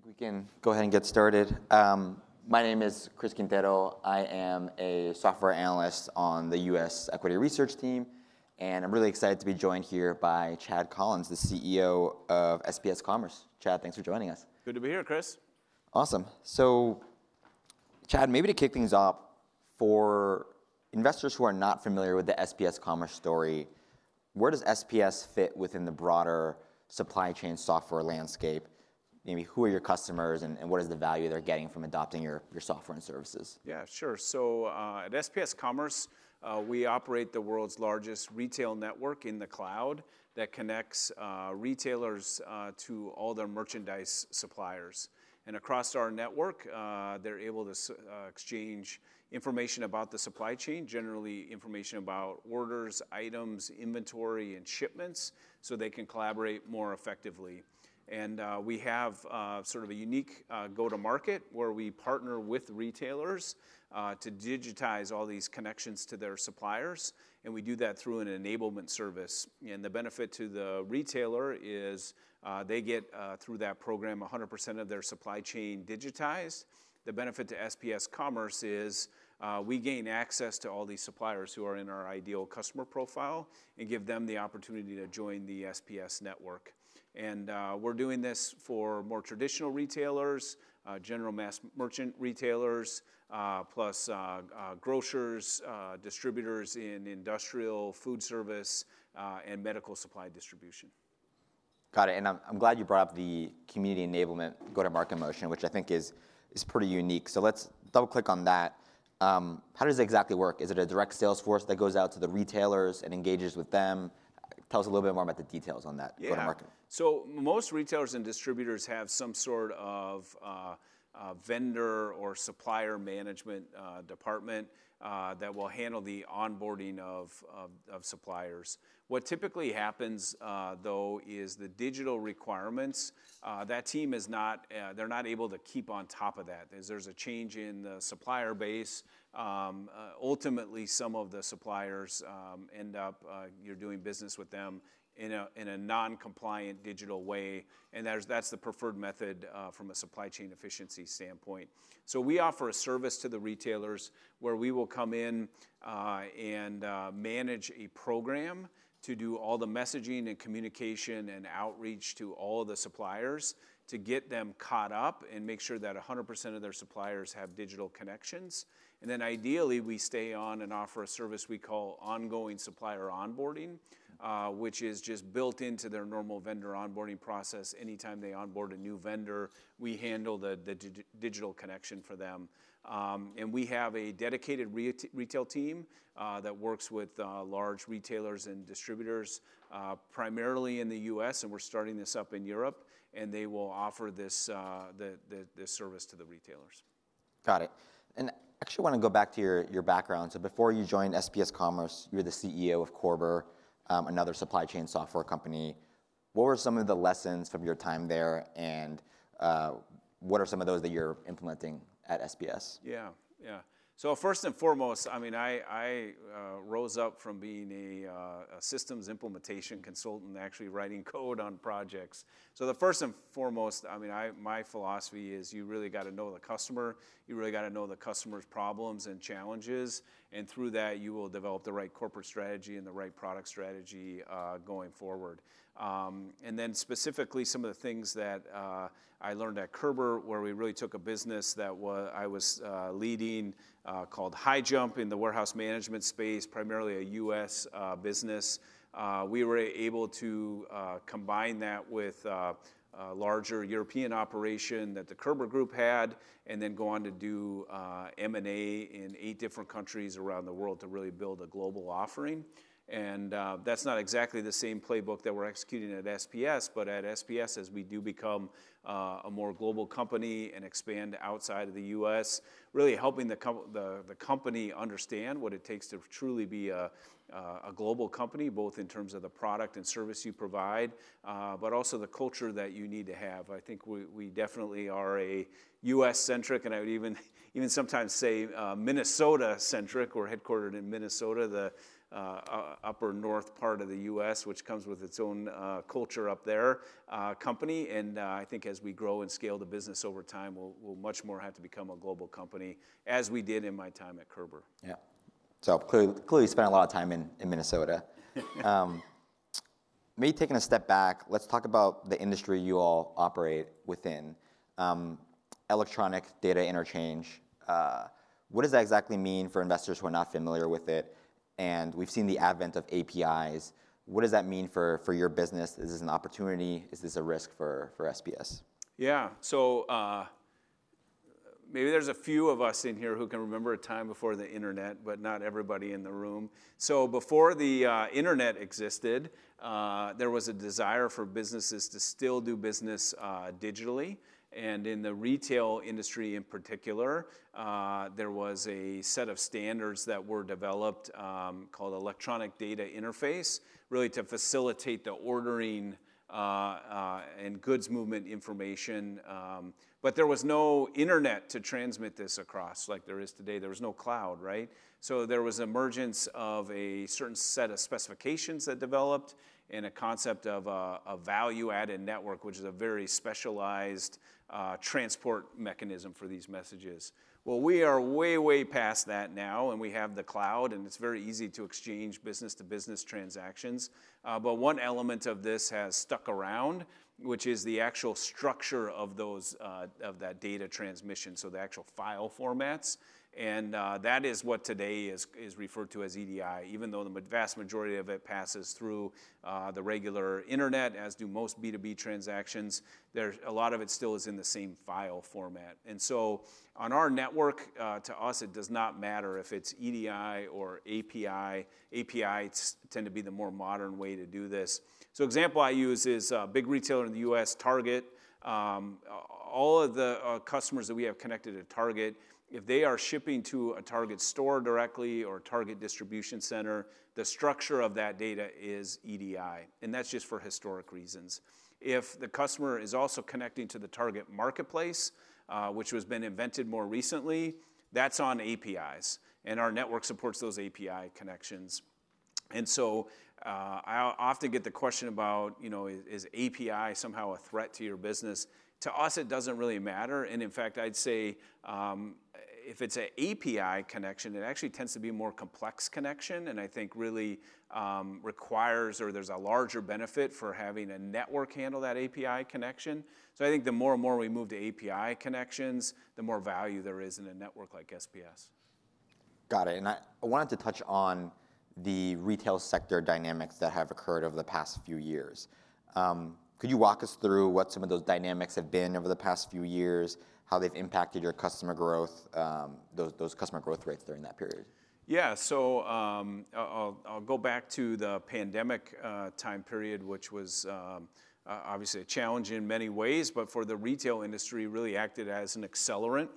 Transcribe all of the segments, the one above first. I think we can go ahead and get started. My name is Chris Quintero. I am a software analyst on the U.S. Equity Research Team, and I'm really excited to be joined here by Chad Collins, the CEO of SPS Commerce. Chad, thanks for joining us. Good to be here, Chris. Awesome. So, Chad, maybe to kick things off, for investors who are not familiar with the SPS Commerce story, where does SPS fit within the broader supply chain software landscape? Maybe who are your customers, and what is the value they're getting from adopting your software and services? Yeah, sure. So, at SPS Commerce, we operate the world's largest retail network in the cloud that connects retailers to all their merchandise suppliers. And across our network, they're able to exchange information about the supply chain, generally information about orders, items, inventory, and shipments, so they can collaborate more effectively. And we have sort of a unique go-to-market where we partner with retailers to digitize all these connections to their suppliers, and we do that through an enablement service. And the benefit to the retailer is they get, through that program, 100% of their supply chain digitized. The benefit to SPS Commerce is we gain access to all these suppliers who are in our ideal customer profile and give them the opportunity to join the SPS network. And we're doing this for more traditional retailers, general merchant retailers, plus grocers, distributors in industrial, food service, and medical supply distribution. Got it. And I'm glad you brought up the Community Enablement go-to-market motion, which I think is pretty unique. So let's double-click on that. How does it exactly work? Is it a direct sales force that goes out to the retailers and engages with them? Tell us a little bit more about the details on that go-to-market. Yeah. So most retailers and distributors have some sort of vendor or supplier management department that will handle the onboarding of suppliers. What typically happens, though, is the digital requirements, that team is not, they're not able to keep on top of that. As there's a change in the supplier base, ultimately some of the suppliers end up, you're doing business with them in a non-compliant digital way, and that's the preferred method from a supply chain efficiency standpoint. So we offer a service to the retailers where we will come in and manage a program to do all the messaging and communication and outreach to all of the suppliers to get them caught up and make sure that 100% of their suppliers have digital connections. Then ideally, we stay on and offer a service we call ongoing supplier onboarding, which is just built into their normal vendor onboarding process. Anytime they onboard a new vendor, we handle the digital connection for them. We have a dedicated retail team that works with large retailers and distributors primarily in the U.S., and we're starting this up in Europe, and they will offer this service to the retailers. Got it. And actually, I want to go back to your background. So before you joined SPS Commerce, you were the CEO of Körber, another supply chain software company. What were some of the lessons from your time there, and what are some of those that you're implementing at SPS? Yeah, yeah. So first and foremost, I mean, I rose up from being a systems implementation consultant, actually writing code on projects. My philosophy is you really got to know the customer. You really got to know the customer's problems and challenges, and through that, you will develop the right corporate strategy and the right product strategy going forward. Then specifically, some of the things that I learned at Körber, where we really took a business that I was leading called HighJump in the warehouse management space, primarily a U.S. business, we were able to combine that with a larger European operation that the Körber Group had and then go on to do M&A in eight different countries around the world to really build a global offering. And that's not exactly the same playbook that we're executing at SPS, but at SPS, as we do become a more global company and expand outside of the U.S., really helping the company understand what it takes to truly be a global company, both in terms of the product and service you provide, but also the culture that you need to have. I think we definitely are a U.S.-centric, and I would even sometimes say Minnesota-centric. We're headquartered in Minnesota, the upper north part of the U.S., which comes with its own culture up there, company. And I think as we grow and scale the business over time, we'll much more have to become a global company, as we did in my time at Körber. Yeah. So clearly, you spent a lot of time in Minnesota. Maybe taking a step back, let's talk about the industry you all operate within: electronic data interchange. What does that exactly mean for investors who are not familiar with it? And we've seen the advent of APIs. What does that mean for your business? Is this an opportunity? Is this a risk for SPS? Yeah. So maybe there's a few of us in here who can remember a time before the internet, but not everybody in the room. So before the internet existed, there was a desire for businesses to still do business digitally. And in the retail industry in particular, there was a set of standards that were developed called electronic data interchange, really to facilitate the ordering and goods movement information. But there was no internet to transmit this across like there is today. There was no cloud, right? So there was an emergence of a certain set of specifications that developed and a concept of a value-added network, which is a very specialized transport mechanism for these messages. Well, we are way past that now, and we have the cloud, and it's very easy to exchange business-to-business transactions. But one element of this has stuck around, which is the actual structure of that data transmission, so the actual file formats. And that is what today is referred to as EDI, even though the vast majority of it passes through the regular internet, as do most B2B transactions. A lot of it still is in the same file format. And so on our network, to us, it does not matter if it's EDI or API. API tends to be the more modern way to do this. So an example I use is a big retailer in the U.S., Target. All of the customers that we have connected to Target, if they are shipping to a Target store directly or a Target distribution center, the structure of that data is EDI, and that's just for historic reasons. If the customer is also connecting to the Target marketplace, which has been introduced more recently, that's on APIs, and our network supports those API connections. And so I often get the question about, you know, is API somehow a threat to your business? To us, it doesn't really matter. And in fact, I'd say if it's an API connection, it actually tends to be a more complex connection, and I think really requires or there's a larger benefit for having a network handle that API connection. So I think the more and more we move to API connections, the more value there is in a network like SPS. Got it. And I wanted to touch on the retail sector dynamics that have occurred over the past few years. Could you walk us through what some of those dynamics have been over the past few years, how they've impacted your customer growth, those customer growth rates during that period? Yeah. So I'll go back to the pandemic time period, which was obviously a challenge in many ways, but for the retail industry, it really acted as an accelerant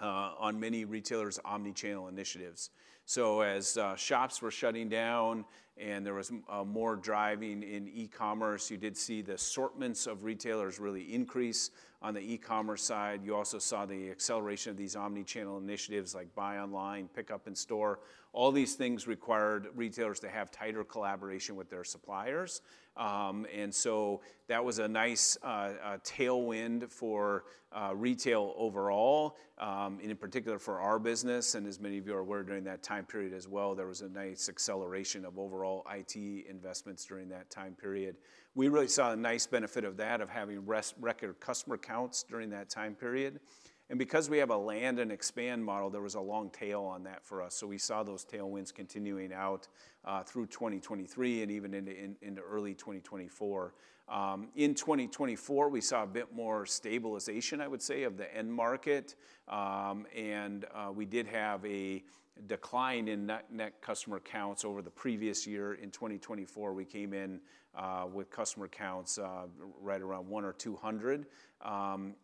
on many retailers' omnichannel initiatives. So as shops were shutting down and there was more driving in e-commerce, you did see the assortments of retailers really increase on the e-commerce side. You also saw the acceleration of these omnichannel initiatives like Buy Online, Pick Up In Store. All these things required retailers to have tighter collaboration with their suppliers. And so that was a nice tailwind for retail overall, and in particular for our business. And as many of you are aware during that time period as well, there was a nice acceleration of overall IT investments during that time period. We really saw a nice benefit of that, of having record customer counts during that time period. Because we have a Land and Expand model, there was a long tail on that for us. We saw those tailwinds continuing out through 2023 and even into early 2024. In 2024, we saw a bit more stabilization, I would say, of the end market, and we did have a decline in net customer counts over the previous year. In 2024, we came in with customer counts right around 100 or 200.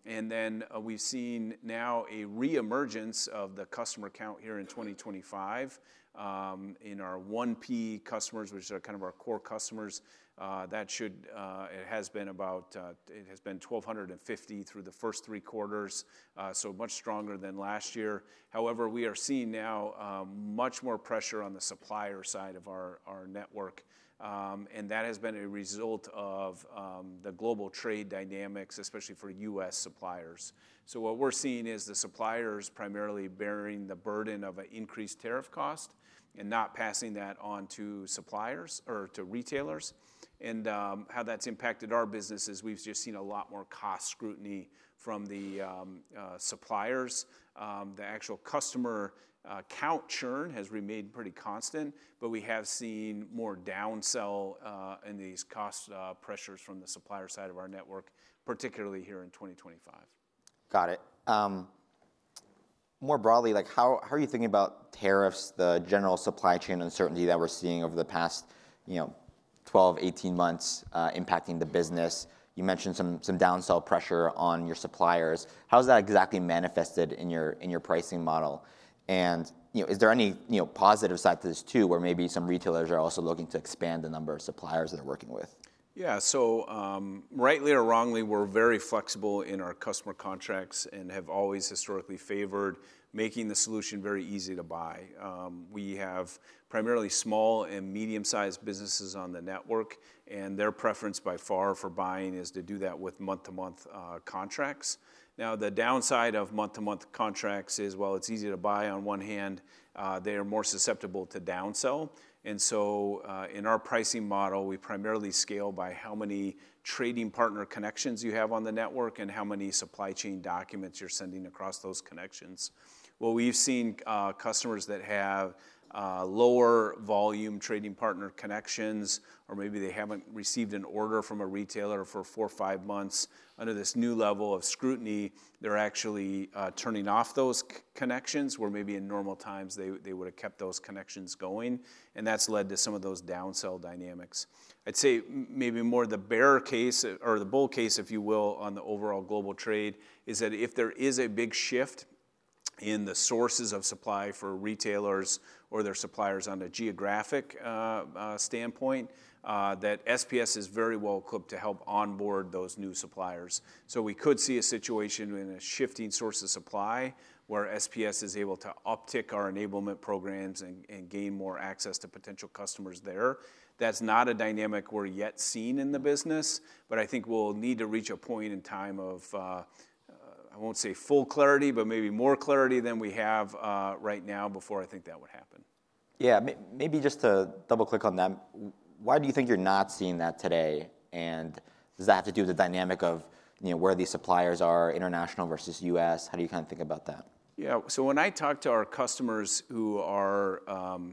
Then we've seen now a reemergence of the customer count here in 2025. In our 1P customers, which are kind of our core customers, it has been 1,250 through the first three quarters, so much stronger than last year. However, we are seeing now much more pressure on the supplier side of our network, and that has been a result of the global trade dynamics, especially for U.S. suppliers. What we're seeing is the suppliers primarily bearing the burden of an increased tariff cost and not passing that on to suppliers or to retailers. How that's impacted our business is we've just seen a lot more cost scrutiny from the suppliers. The actual customer count churn has remained pretty constant, but we have seen more downsell in these cost pressures from the supplier side of our network, particularly here in 2025. Got it. More broadly, how are you thinking about tariffs, the general supply chain uncertainty that we're seeing over the past 12-18 months impacting the business? You mentioned some downsell pressure on your suppliers. How has that exactly manifested in your pricing model? And is there any positive side to this too, where maybe some retailers are also looking to expand the number of suppliers they're working with? Yeah. So rightly or wrongly, we're very flexible in our customer contracts and have always historically favored making the solution very easy to buy. We have primarily small and medium-sized businesses on the network, and their preference by far for buying is to do that with month-to-month contracts. Now, the downside of month-to-month contracts is, while it's easy to buy on one hand, they are more susceptible to downsell. And so in our pricing model, we primarily scale by how many trading partner connections you have on the network and how many supply chain documents you're sending across those connections. Well, we've seen customers that have lower volume trading partner connections, or maybe they haven't received an order from a retailer for four or five months. Under this new level of scrutiny, they're actually turning off those connections where maybe in normal times they would have kept those connections going, and that's led to some of those downsell dynamics. I'd say maybe more the bear case or the bull case, if you will, on the overall global trade is that if there is a big shift in the sources of supply for retailers or their suppliers on a geographic standpoint, that SPS is very well equipped to help onboard those new suppliers. So we could see a situation in a shifting source of supply where SPS is able to uptick our enablement programs and gain more access to potential customers there. That's not a dynamic we're yet seeing in the business, but I think we'll need to reach a point in time of, I won't say full clarity, but maybe more clarity than we have right now before I think that would happen. Yeah. Maybe just to double-click on that, why do you think you're not seeing that today? And does that have to do with the dynamic of where these suppliers are, international versus U.S.? How do you kind of think about that? Yeah. So when I talk to our customers who are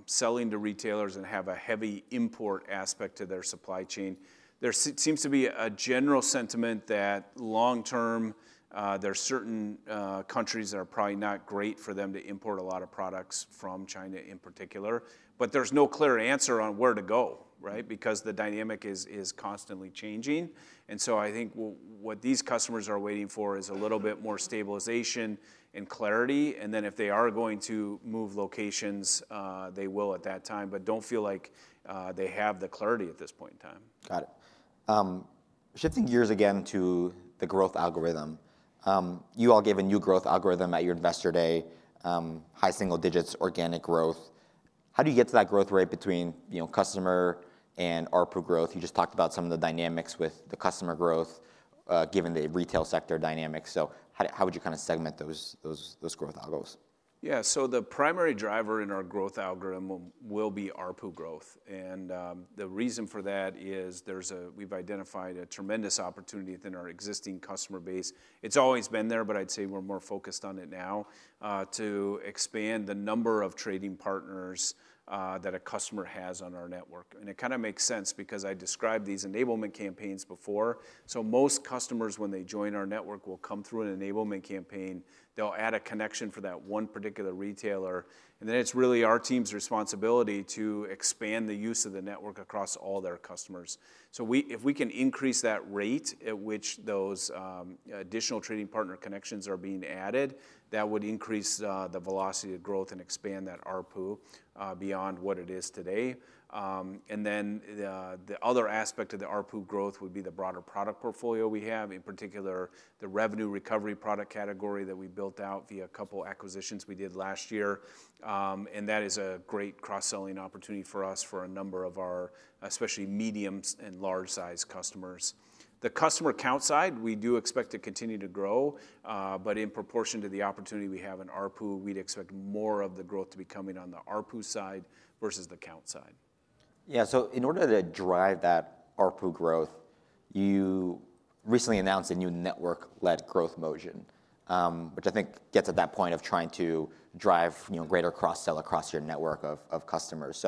selling to retailers and have a heavy import aspect to their supply chain, there seems to be a general sentiment that long-term, there are certain countries that are probably not great for them to import a lot of products from China in particular, but there's no clear answer on where to go, right? Because the dynamic is constantly changing. And so I think what these customers are waiting for is a little bit more stabilization and clarity, and then if they are going to move locations, they will at that time, but don't feel like they have the clarity at this point in time. Got it. Shifting gears again to the growth algorithm, you all gave a new growth algorithm at your investor day, high single digits organic growth. How do you get to that growth rate between customer and ARPU growth? You just talked about some of the dynamics with the customer growth given the retail sector dynamics. So how would you kind of segment those growth algos? Yeah, so the primary driver in our growth algorithm will be ARPU growth, and the reason for that is we've identified a tremendous opportunity within our existing customer base. It's always been there, but I'd say we're more focused on it now to expand the number of trading partners that a customer has on our network, and it kind of makes sense because I described these enablement campaigns before, so most customers, when they join our network, will come through an enablement campaign, they'll add a connection for that one particular retailer, and then it's really our team's responsibility to expand the use of the network across all their customers. So if we can increase that rate at which those additional trading partner connections are being added, that would increase the velocity of growth and expand that ARPU beyond what it is today. And then the other aspect of the ARPU growth would be the broader product portfolio we have, in particular the Revenue Recovery product category that we built out via a couple acquisitions we did last year. And that is a great cross-selling opportunity for us for a number of our especially medium and large-sized customers. The customer count side, we do expect to continue to grow, but in proportion to the opportunity we have in ARPU, we'd expect more of the growth to be coming on the ARPU side versus the count side. Yeah. So in order to drive that ARPU growth, you recently announced a new Network-Led Growth motion, which I think gets at that point of trying to drive greater cross-sell across your network of customers.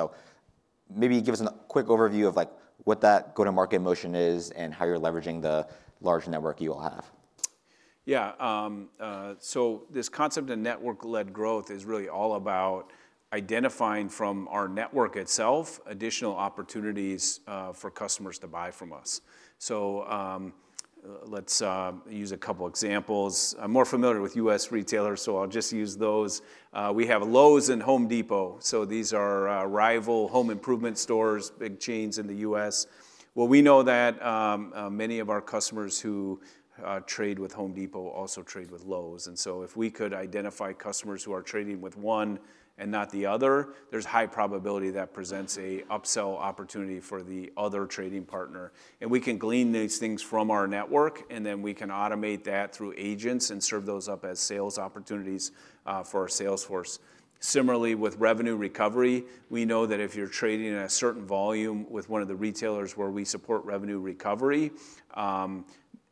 So maybe give us a quick overview of what that go-to-market motion is and how you're leveraging the large network you all have. Yeah. So this concept of Network-Led Growth is really all about identifying from our network itself additional opportunities for customers to buy from us. So let's use a couple examples. I'm more familiar with U.S. retailers, so I'll just use those. We have Lowe's and Home Depot. So these are rival home improvement stores, big chains in the U.S. Well, we know that many of our customers who trade with Home Depot also trade with Lowe's. And so if we could identify customers who are trading with one and not the other, there's high probability that presents an upsell opportunity for the other trading partner. And we can glean these things from our network, and then we can automate that through agents and serve those up as sales opportunities for our sales force. Similarly, with Revenue Recovery, we know that if you're trading a certain volume with one of the retailers where we support Revenue Recovery,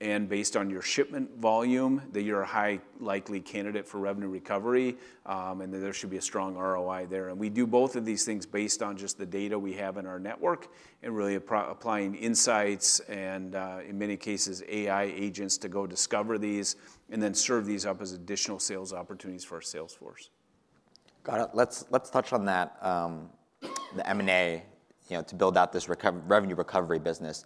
and based on your shipment volume, that you're a highly likely candidate for Revenue Recovery, and that there should be a strong ROI there. And we do both of these things based on just the data we have in our network and really applying insights and, in many cases, AI agents to go discover these and then serve these up as additional sales opportunities for our sales force. Got it. Let's touch on that, the M&A to build out this Revenue Recovery business.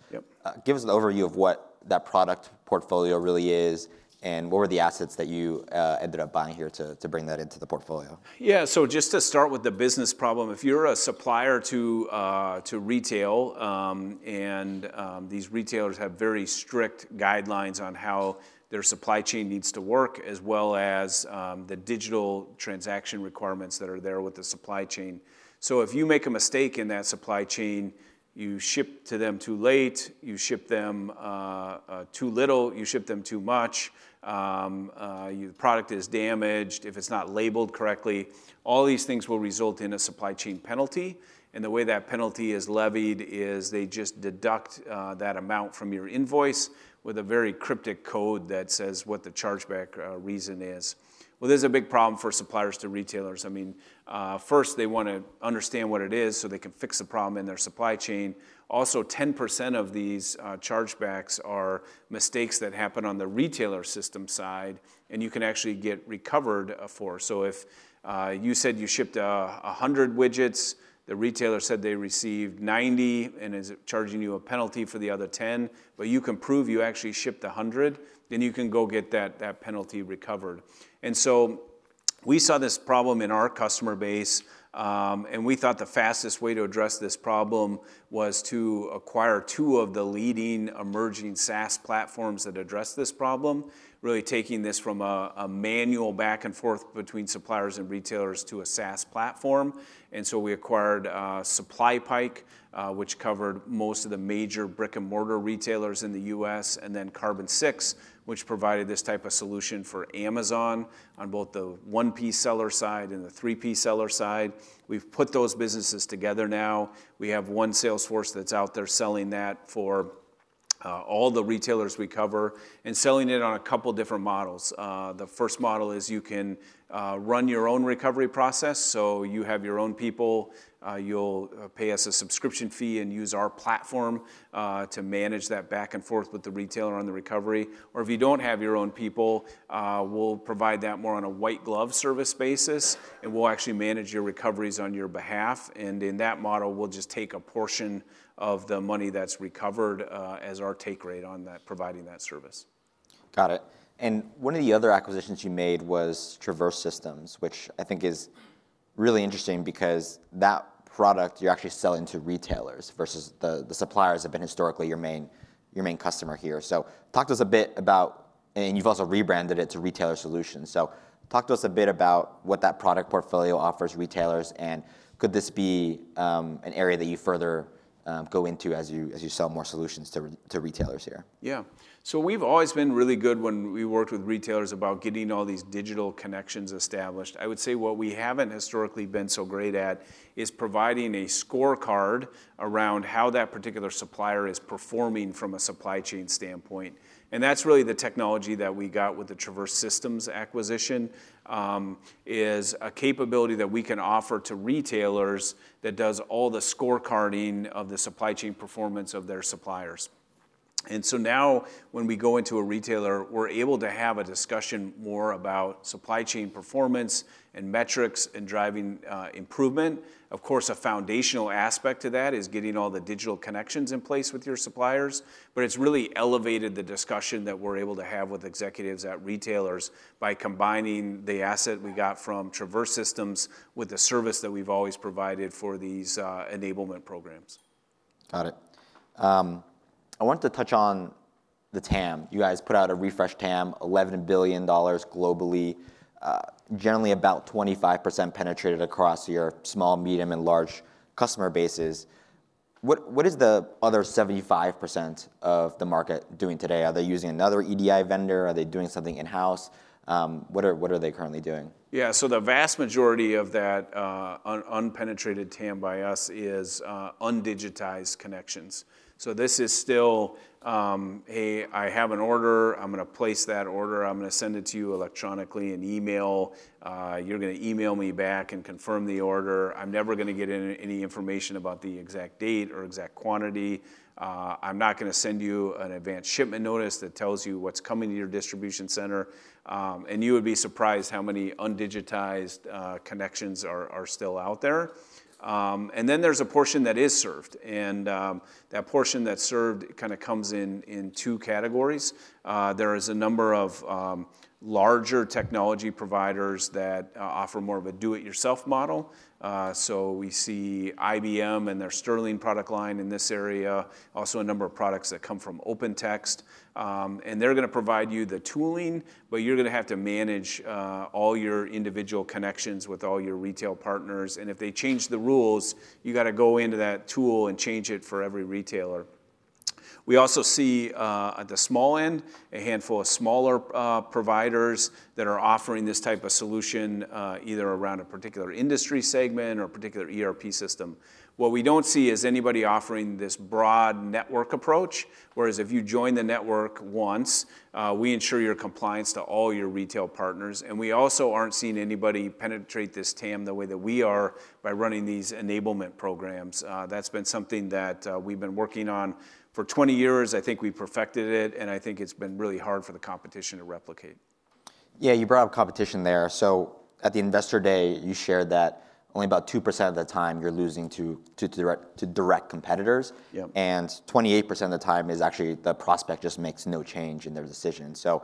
Give us an overview of what that product portfolio really is and what were the assets that you ended up buying here to bring that into the portfolio? Yeah. So just to start with the business problem, if you're a supplier to retailers and these retailers have very strict guidelines on how their supply chain needs to work, as well as the digital transaction requirements that are there with the supply chain. So if you make a mistake in that supply chain, you ship to them too late, you ship them too little, you ship them too much, the product is damaged, if it's not labeled correctly, all these things will result in a supply chain penalty. And the way that penalty is levied is they just deduct that amount from your invoice with a very cryptic code that says what the chargeback reason is. Well, there's a big problem for suppliers to retailers. I mean, first, they want to understand what it is so they can fix the problem in their supply chain. Also, 10% of these chargebacks are mistakes that happen on the retailer system side, and you can actually get recovered for, and so we saw this problem in our customer base, and we thought the fastest way to address this problem was to acquire two of the leading emerging SaaS platforms that address this problem, really taking this from a manual back and forth between suppliers and retailers to a SaaS platform, and so we acquired SupplyPike, which covered most of the major brick-and-mortar retailers in the U.S., and then Carbon6, which provided this type of solution for Amazon on both the 1P seller side and the 3P seller side. We've put those businesses together now. We have one sales force that's out there selling that for all the retailers we cover and selling it on a couple different models. The first model is you can run your own recovery process. So you have your own people, you'll pay us a subscription fee and use our platform to manage that back and forth with the retailer on the recovery. Or if you don't have your own people, we'll provide that more on a white-glove service basis, and we'll actually manage your recoveries on your behalf. And in that model, we'll just take a portion of the money that's recovered as our take rate on providing that service. Got it. And one of the other acquisitions you made was Traverse Systems, which I think is really interesting because that product you're actually selling to retailers versus the suppliers have been historically your main customer here. So talk to us a bit about, and you've also rebranded it to Retailer Solutions. So talk to us a bit about what that product portfolio offers retailers, and could this be an area that you further go into as you sell more solutions to retailers here? Yeah. So we've always been really good when we worked with retailers about getting all these digital connections established. I would say what we haven't historically been so great at is providing a scorecard around how that particular supplier is performing from a supply chain standpoint. And that's really the technology that we got with the Traverse Systems acquisition, is a capability that we can offer to retailers that does all the scorecarding of the supply chain performance of their suppliers. And so now when we go into a retailer, we're able to have a discussion more about supply chain performance and metrics and driving improvement. Of course, a foundational aspect to that is getting all the digital connections in place with your suppliers, but it's really elevated the discussion that we're able to have with executives at retailers by combining the asset we got from Traverse Systems with the service that we've always provided for these enablement programs. Got it. I wanted to touch on the TAM. You guys put out a refreshed TAM, $11 billion globally, generally about 25% penetrated across your small, medium, and large customer bases. What is the other 75% of the market doing today? Are they using another EDI vendor? Are they doing something in-house? What are they currently doing? Yeah. So the vast majority of that unpenetrated TAM by us is undigitized connections. So this is still, "Hey, I have an order. I'm going to place that order. I'm going to send it to you electronically in email. You're going to email me back and confirm the order. I'm never going to get any information about the exact date or exact quantity. I'm not going to send you an advanced shipment notice that tells you what's coming to your distribution center." And you would be surprised how many undigitized connections are still out there. Then there's a portion that is served. And that portion that's served kind of comes in two categories. There is a number of larger technology providers that offer more of a do-it-yourself model. So we see IBM and their Sterling product line in this area, also a number of products that come from OpenText. They're going to provide you the tooling, but you're going to have to manage all your individual connections with all your retail partners.f they change the rules, you got to go into that tool and change it for every retailer. We also see at the small end, a handful of smaller providers that are offering this type of solution either around a particular industry segment or a particular ERP system. What we don't see is anybody offering this broad network approach, whereas if you join the network once, we ensure your compliance to all your retail partners. And we also aren't seeing anybody penetrate this TAM the way that we are by running these enablement programs. That's been something that we've been working on for 20 years. I think we perfected it, and I think it's been really hard for the competition to replicate. Yeah. You brought up competition there. So at the investor day, you shared that only about 2% of the time you're losing to direct competitors, and 28% of the time is actually the prospect just makes no change in their decision. So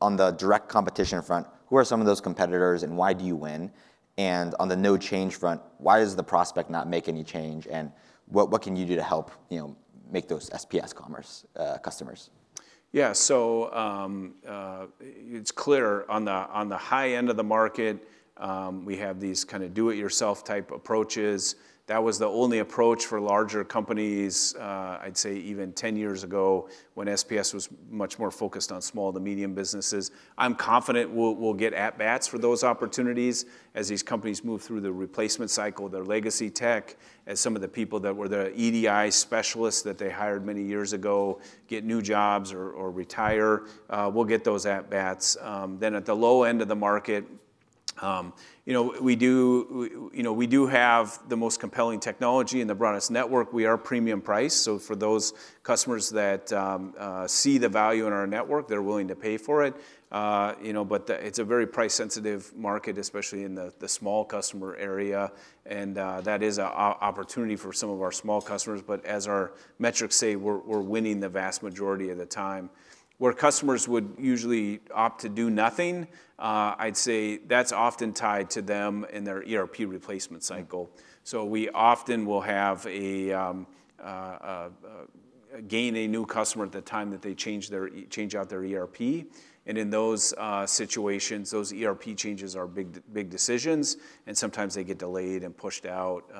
on the direct competition front, who are some of those competitors and why do you win? And on the no change front, why does the prospect not make any change? And what can you do to help make those SPS Commerce customers? Yeah. So it's clear on the high end of the market, we have these kind of do-it-yourself type approaches. That was the only approach for larger companies, I'd say even 10 years ago when SPS was much more focused on small to medium businesses. I'm confident we'll get at-bats for those opportunities as these companies move through the replacement cycle, their legacy tech, as some of the people that were the EDI specialists that they hired many years ago get new jobs or retire. We'll get those at-bats. Then at the low end of the market, we do have the most compelling technology and the broadest network. We are premium priced. So for those customers that see the value in our network, they're willing to pay for it. But it's a very price-sensitive market, especially in the small customer area. That is an opportunity for some of our small customers. As our metrics say, we're winning the vast majority of the time. Where customers would usually opt to do nothing, I'd say that's often tied to them in their ERP replacement cycle. We often will gain a new customer at the time that they change out their ERP. In those situations, those ERP changes are big decisions, and sometimes they get delayed and pushed out,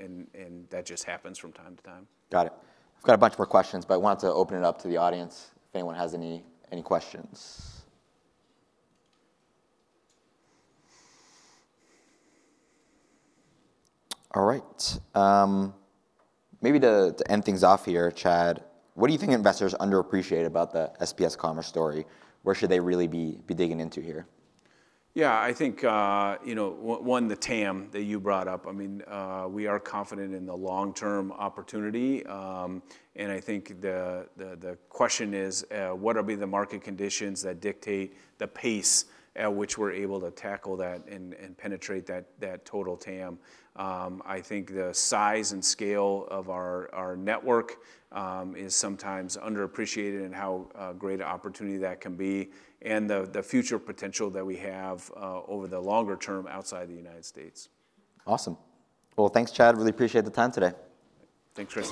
and that just happens from time to time. Got it. I've got a bunch more questions, but I wanted to open it up to the audience if anyone has any questions. All right. Maybe to end things off here, Chad, what do you think investors underappreciate about the SPS Commerce story? Where should they really be digging into here? Yeah. I think, one, the TAM that you brought up. I mean, we are confident in the long-term opportunity. And I think the question is, what are the market conditions that dictate the pace at which we're able to tackle that and penetrate that total TAM? I think the size and scale of our network is sometimes underappreciated and how great an opportunity that can be, and the future potential that we have over the longer term outside the United States. Awesome. Well, thanks, Chad. Really appreciate the time today. Thanks Chris.